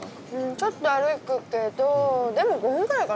ちょっと歩くけどでも５分ぐらいかなぁ。